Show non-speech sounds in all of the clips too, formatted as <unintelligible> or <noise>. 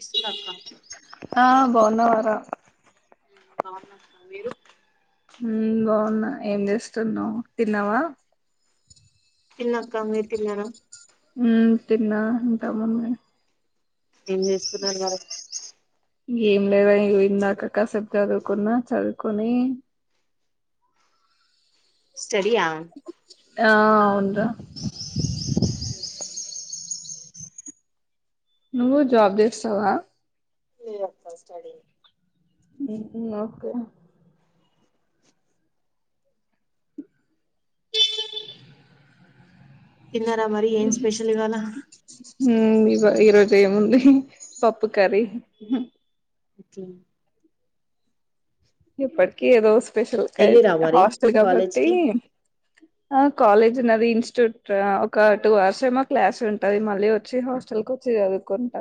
ఇస్తునక్క ఆ బావున్నవార మీరు ఉమ్ బావున్న ఏం చేస్తున్నా తిన్నావా తిన్నక్క మీర్ తిన్నారా ఉ తిన్నా ఇంతకుముందే ఎం చేస్తున్నారు మరే ఏం లేదు ఏం లే అక్క కాసేపు చదువుకున్న చదువుకొని స్టడీ ఆ ఆ అవున్ర నువ్వు జాబ్ చేస్తావా. మియాంత స్టడీ. ఉం నాక్క తిన్నారా మరి ఏమ్ స్పెషల్ ఇవాల. ఉమ్ ఇవ ఈ రోజు ఏముంది పప్పు కర్రీ. ఒకే. ఎప్పటికీ ఏదోస్ స్పెషల్ కైప్ ఎల్లిరా మరి హాస్టల్ కాలేజ్ కాబట్టి కి ఆ కాలేజ్ ఉన్నది ఇన్స్టిట్యూట్ ఒక టూ అవర్స్ ఏమో క్లాస్ ఉంటది మళ్ళీ వచ్చి హాస్టల్ కి వచ్చి చదువుకుంట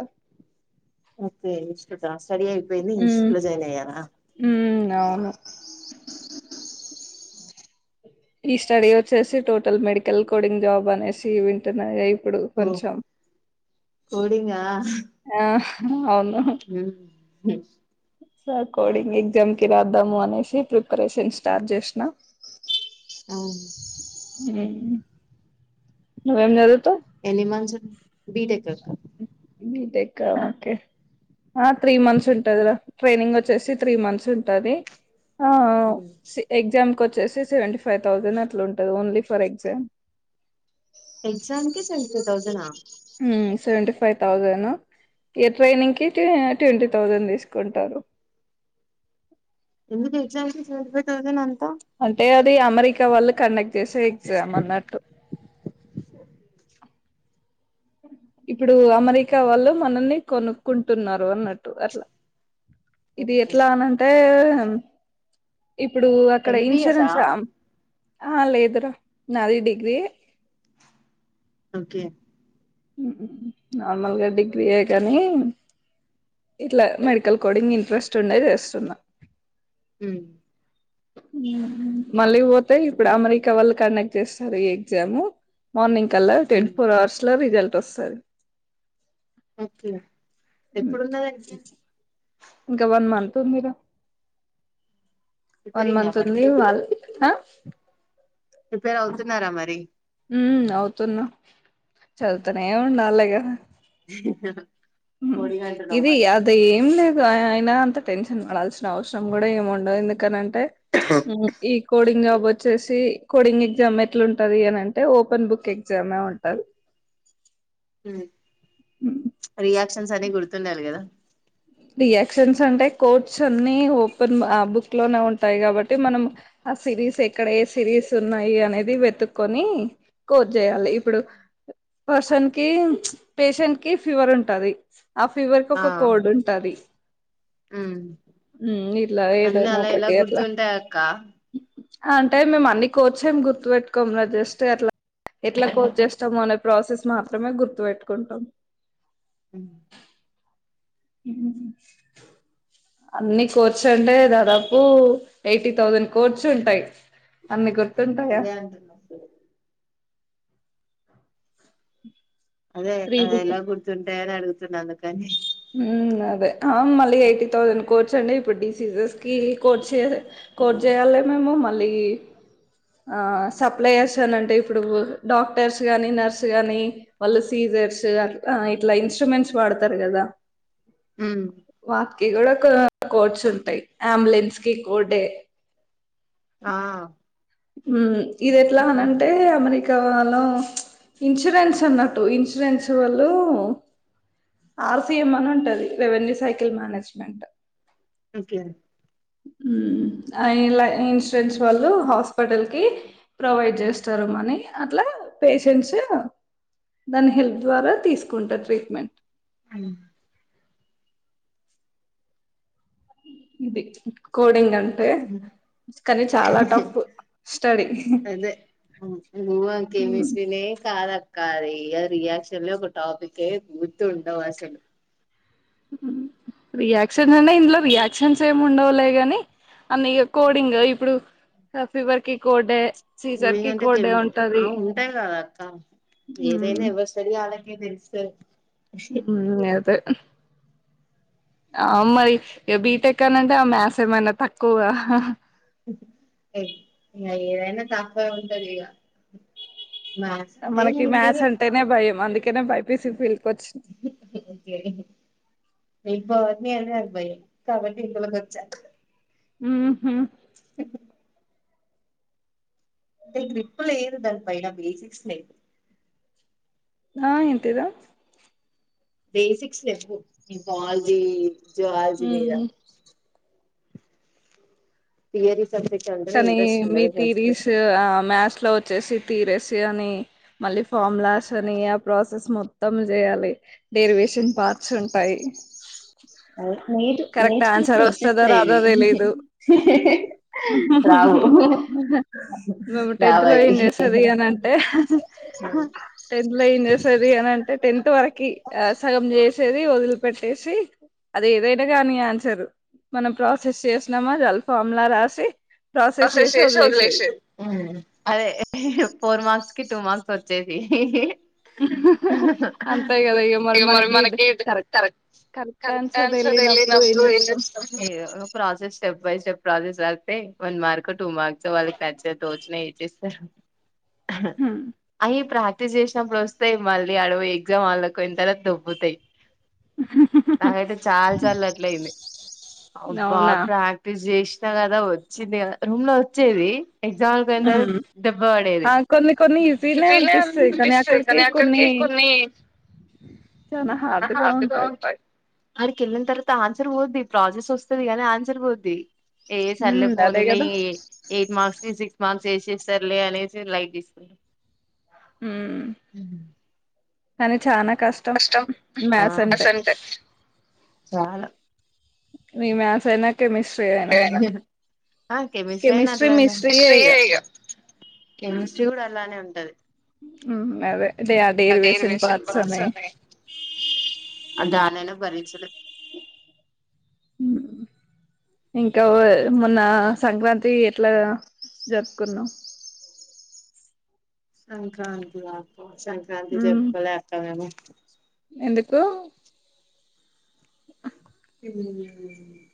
ఓకే ఇన్స్టిట్యూట్ ఆ స్టడీ అయి పోయింది ఇన్స్ట్యూట్ లో జయిన్ అయ్యారా ఉం అవును ఈ స్టడీ వచ్చేసి టోటల్ మెడికల్ కోడింగ్ జాబ్ అనేసి వింటున్నా అయి ఇప్పుడు ఓ కొంచెం ఆ అవును ఉం హు సార్ కోడింగ్ ఎగ్జామ్ కి రాద్దాము అనేసి ప్రిపరేషన్ స్టార్ట్ చేసినా అవును ఉం నువ్ ఎం జదువుతవ్ ఎన్ని మంత్స్ ఉ బిటెక్ బిటెకా ఒకే ఆ త్రీ మంత్స్ ఉంటది రా ట్రైనింగ్ వచ్చేసి త్రీ మంత్స్ ఉంటది ఆ అ సె ఎగ్జామ్ వచ్చేసి సెవెంటీ ఫైవ్ థౌజండ్ అట్లా ఉంటంది only for exam two thousand ఆ సెవెంటీ ఫైవ్ థౌజండ్ ఏ ట్రైనింగ్ కి ట్వంటీ థౌజండ్ తీసుకుంటారు ఎందుకు exam fees seventy five thousand అం అంటే అది అమెరికా వాళ్ళు కండక్ట్ చేసే ఎగ్జామ్ అన్నట్టు ఇప్పుడు అమెరికా వాళ్ళు మనల్ని కొనుక్కుంటున్నారు అన్నట్టు అట్లా ఇది ఎట్లా అనంటే ఉం ఇప్పుడు అక్కడ ఎంబీబిఎస్ ఆ ఇన్సూరెన్స్ ఆమ్ ఆ లేదు రా నాది డిగ్రీ ఎ ఓకే నార్మల్ గా డిగ్రీ యే కాని ఇట్లా మెడికల్ కోడింగ్ ఇంట్రెస్ట్ ఉండే చేస్తున్నా ఉహు మళ్ళీ పోతే ఇప్పుడు అమెరికా వాళ్ళ కండక్ట్ చేస్తారు ఈ ఎగ్జామ్ మార్నింగ్ కల్లా ట్వంటీ ఫోర్ అవర్స్ లో రి రిజల్ట్ వస్తది ఓకే ఎప్పుడుంద అది ఎగ్జామ్ ఇంకా వన్ మంత్ ఉందిరా వన్ ప్రిపేరింగా మంత్ మరి వుంది వాల్ అ ప్రిపేర్ అవుతున్నారా మరీ హ్మ్ అవుతున్నా చదుతనేవుండల్లెగా ఆ <inaudible> హ్మ్ కోడిగా అంటున్నావు ఇది మరి అది ఏం లేద్ అయిన అంత టెన్షన్ పడాల్సిన అవసరం కూడా ఏమి ఉండదు ఎందుకనం అ టే ఈ కోడింగ్ వచ్చేసి కోడింగ్ ఎగ్జామ్ ఎట్లుంటది అని అంటే ఓపెన్ బుక్ ఎగ్జామే ఉంటంది. హ్మ్ రియా క్షన్స్ అని గుర్తుండాలి కదా రియాక్షన్స్ అంటే కోర్ట్స్ అన్నీ ఓపెన్ ఆ బుక్ క్లోనే ఉంటాయి కాబట్టి మనం ఆ సిరీస్ ఎక్కడ ఏ సిరీస్ ఉన్నాయి అనేది వెతుక్కొని కోచ్ చేయాలి. ఇప్పుడు పర్సన్ కి ప్చ్ పేషెంట్ కి ఫీవర్ ఉంటాది. ఆ ఫీవర్ కి ఒక కోడ్ ఉం <unintelligible> హ్మ్ అందు ఏదైనా ఎలా ఎలా ఒకటి గుర్తు అట్లా ఉంటయక్క అంటే మేము అన్ని కోచ్ ఏం గుర్తు పెట్టుకోము రా జస్ట్ అట్లా ఎట్ల కోచ్ చేస్తాము అనే ప్రాసెస్ మాత్రమే గుర్తు పెట్టుకుంటాం. హ్మ్ హ్మ్ అన్నీ కోర్చ్ అంటే దాదాపు ఎయిటీ థౌసండ్ కోర్చ్ ఉంటాయ్ అన్ని గుర్ అదే అంటున్నా అదే అదెలా గుర్తుం తెర అడుగుతున్నాను తె హ్మ్ అదే ఆ మళ్ళీ ఎయిటీ థౌసండ్ కోర్చండి ఇప్పుడు డిసీసెస్ కి కోర్చ్ కోర్ట్ చేయాలే మేము మళ్ళీ ఆ సప్లయర్స్ అని అంటే ఇప్పుడు డాక్టర్స్ గానీ నర్స్ గానీ వాళ్ళు సీజర్స్ అ ఇట్లా ఇన్స్ట్రుమెంట్స్ వాడతారు గదా. హ్మ్ కి కూడా కో కోర్చ్ ఉంటయ్ అంబులెన్స్ కి కోర్డె ఆ ఉం ఇది ఎట్లా అనంటే అమెరిక్ రిక్ వాళ్లు ఇన్సూరెన్స్ ఉన్నట్టు ఇన్సూరెన్స్ వాళ్ళు ఆర్సిఎం అని ఉంటాది రెవెన్యూ సైకిల్ మేనేజ్మెంట్ ఓకే ఊమ్ ఆయ్ ఇలా ఇన్సూరెన్స్ వాళ్ళు హాస్పిటల్ కి ప్రొవైడ్ చేస్తారు మని అట్లా పేషెంట్స్ దాని హెల్ప్ ద్వారా తీసుకుంటారు ట్రీట్మెంట్ ఉమ్ ఇది కోడింగ్ అం ఉమ్ హుహు స్టడీ అదే నువ్వ కెమిస్ట్రీ నే కాద్ అక్ కా రి రియాక్షన్ లో ఒక టాపిక్ యే గుర్తు ఉండవు అసలు రియాక్షన్స్ అన్నా ఇందులో రియాక్షన్స్ ఏమి ఉండవులే గాని అన్న్ కోడింగ్ ఇప్పుడు ఫీవర్ కి కోడే సీజర్ కి ఉయ్అంటే కోడే కెమిక్ ఆ ఉంటది ఉంటాయి కాదా కా మ్మ్. ఏదైనా ఎవర్ స్టడీ ఆలే నీక్ తేల్ స్ <unintelligible> ఉమ్ అదే ఆ మరి ఇగ్ బీటెక్ అనంటే ఆ మ్యాస్ ఏమన్నా తక్కువ హుహు ఇగ్ ఏదైనా తక్కువ ఉంటది ఇగ మ్యాథ్స్ అంటే ఏం మనకి మ్యాథ్స్ ఉండదు అంటేనే భయం అందుకేనే బైపీసి ఫీల్ క్ వచ్చ్ మెన్ అద్ భయమ్ కాబట్టి ఇందులకి వచ్చా ఉమ్ ఉమ్ ఉహ్ అంటే గ్రిప్ లేదు దాని పైన బేసిక్స్ యే ఆ ఎంటిర బేసిక్స్ లేవు ఈ జూవాల్జి జూవలాజీ మీద ఉమ్ తీయరీ కానీ మీ తీరిస్ ఆ మ్యత్స్ లో వచ్చసీ తీరేసి అని మళ్ళి ఫామలాస్ అని ఆ ప్రాసెస్ మొత్తం చేయాలి డేరివేషన్ పర్ట్స్ ఉంటాయి నేర్చు కరెక్ట్ నేర్చు ఆన్సర్ వాస్తదో వచ్చేస్తాయి రాదో ఇవి తెలిదు రావు రావయి అవును అది వదిలిపెట్టేసి అది ఏదైనా లెద్ కాని ఆన్సర్ మనం ప్రాసెస్ చేసినమా చాల్ ఫార్ములా రాసి ప్రాసెస్ చేసి వదిలేషేది హ్మ్ అదే హే ఫోర్ మార్క్స్ కి టూ మర్క్స్ వచ్చేది అంతే <unintelligible> కదా ఇగ మరి మనకి కరెక్ట్ కరెక్ట్ ఆన్సర్ తెలియనప్పుడు ఏం చేస్తాం పైసా <unintelligible> ప్రాజెక్ట్స్ రాస్తే వన్ మార్క్ టూ మార్క్స్ వాళ్ళకి నచ్చి నాయి తోచినాయి ఇచ్చేస్తార్ అయ ప్రా చేసినప్పుడు ఒస్తాయ్ి మళ్ళీ అడవొయ్ ఎగ్జామ్ హాళ్ళక్ వోయిన్ తర్వాత దొబ్బుతాయ్ నాకైతె చాల్ సార్ల్ అట్ల అయింది అబా అవునా ప్రాక్టీస్ చేసి <inaudible> చిందిగా రూమ్ లో ఒచ్చేది ఎగ్జామ్ అయి ఉమ్ దెబ్బ పడేది ఆ కొన్ని కొన్ని ఈజీనే అనిపిస్తాయి అనిపిస్తది కానీ అక్కడికి కొన్ని హార్డ్ గా ఉంటాయ్ ఆడికి ఎళ్ళిన్ తర్వాత ఆన్సర్ వోద్ది ప్రాజెస్ వస్తది గాని ఆన్సర్ పోద్ది. ఏ సర్లే హ్మ్ ఎయిట్ మాక్స్ సిక్స్ మాక్స్ ఏసేస్తారులే అనేసి లైట్ తీసుకున్ హ్మ్ కన చానా కష్టం మ్యాథ్స్ అంటే మ్యాథ్సంటె చాలా రీ మ్యాథ్స్ ఐనా కెమిస్ట్రీ కెమిస్ట్రయినట్లానె మిస్ట్రీయే ఇగ కెమిస్ట్రీ కూడా అలానే ఉంటది. అదే డేరివేషన్ డెరివేషన్ పాట్స్ ప్రాసెస్ ఉన్నాయ్ నేను బరించలే ఇంకా మొన్నా సంక్రాంతీ ఎట్లా జరుపుకున్నవ్ సంక్రాంతి ఆ సంక్రాంతి ఉమ్ జరుప్కోలేక్క మేము కూ ఆ.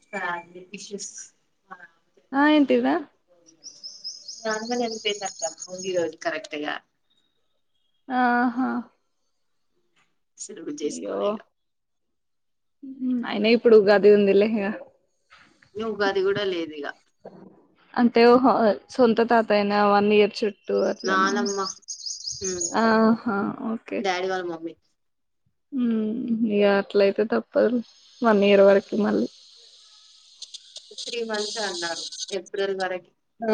Family issues. ఆ ఏంటివి రా. <inaudible> బోగి రోజ్ కరెక్ట్ గా. ఆహ సెలవు చేసుకోలే ఇగ అయిన ఇప్పుడు ఉగాది ఉంది లేగ ఉగాది గుడ లేదు ఇగ అంటే ఓహో సొంత తాతయ్యనా వన్ ఇయర్ చు టూ అట్లనా నానమ్మ ఆహా ఓకే. డాడీ వాళ్ళ మమ్మీ హ్మ్ ఇగా అట్లయితే తప్పదు వన్ ఇయర్ వరకి మళ్ళీ. త్రీ మంత్స్ అన్నారు ఏప్రిల్ వరక్ ఆ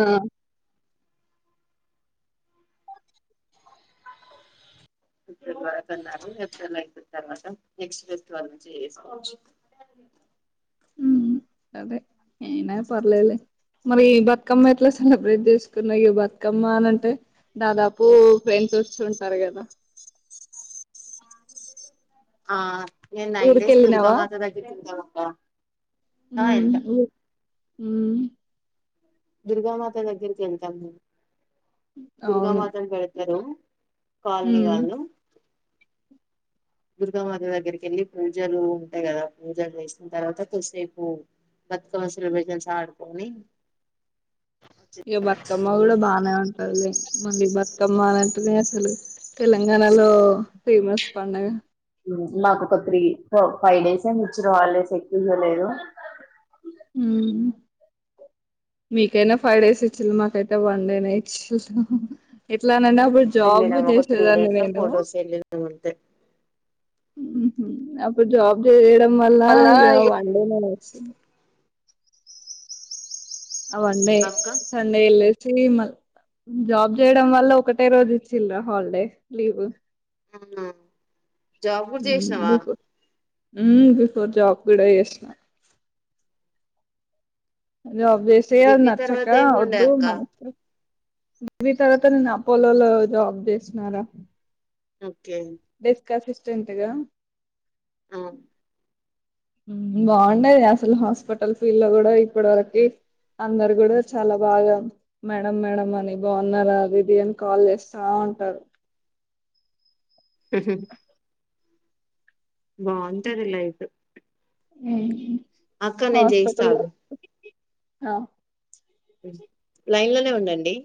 ఏప్రిల్ వరకు అన్నారు ఏప్రిల్ అయిపోయింది తర్వాత నెక్స్ట్ ఫెస్టివల్ నుంచి చేసుకోవచ్చు. ఉమ్ అదే అయినా పర్లేలే మరి బతుకమ్మ ఎట్లా సెలబ్రేట్ చేసుకున్నాయి బతుకమ్మ అనింటే దాదాపు ఫ్రెండ్స్ వస్తు ఉంటారు కదా. ఆ నైన్ డేస్ దుర్గ మాతా దగ్గర ఉంటా గా గ హ్మ్ ఓ హ్మ్ దుర్గామాత దగ్గరికి వెళ్తాం మెమ్ దుర్గా అవును మాతను పెడతారు కాలనీ ఉమ్ వళ్ళు దుర్గామాత దగ్గరికి వెళ్ళి పూజలు ఉంటాయి కదా పూజలు చేసిన తర్వాత కొద్సేపు బతుకమ్మ సెలబ్రేషన్స్ ఆడుకొని ఇయ బతుకమ్మ కూడా బానే ఉంట అదే మళ్ళీ బతుకమ్మనంటనే అసలు తెలంగాణలో ఫేమస్ పండుగ మాకు ఒక త్రీ ఫ ఫైవ్ డేస్ ఏమొ ఇచ్చి హలిడెస్ ఎక్వవ్వలేదు ఉమ్ మీకైనా ఫైవ్ డేస్ ఇచ్చలే మాకైతే వన్ డే న ఇచ్చ ఎట్లా అనండి వెళ్ళి నమ ఒక త్రీ డేస్ ఫోర్ డేస్ వెళ్ళినాం అంతే హు హ్మ్ అప్పుడు జబ్ మళ్ళ మళ్ళా ఇ వన్డే మ వస్తుంది వండే అక్క సండేల్ జాబ్ చేయడం వల్ల ఒకటే రోజు ఇచ్చిలరా హాలిడే లీవ్ అవునా జాబ్ కూడా చేసినావా హ్మ్ బిఫోర్ జాబ్ కూడా చేసిన జాబ్ జెసె నర్చక అది డిగ్రీ నచ్చక తర్వాత ఏమి ఉండే వద్దు అక్క మనకు దది తర్వాతన నాపోలలో జాబ్ చేసన్నారా ఓ ఓకే సిస్స్టంట్గా ఆ బాగుండేది అసలు హాస్పిటల్స్ ఫిల్డొ కూడా ఇప్పటి వరకి అందరు కూడా చాలా బాగా మేడం మేడం అని బాగున్నారా అది ఇది అని కాల్ చేస్తా ఉంటారు హ్మ్హ్మ్ బగుంటాది ఇల అయితే ఉమ్ అక్క నేం జయిస్తా అ లైన్ లోనే ఉండండి.